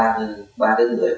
ba đến ba đứa người